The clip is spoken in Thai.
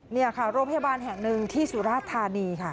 นี่ค่ะโรงพยาบาลแห่งหนึ่งที่สุราชธานีค่ะ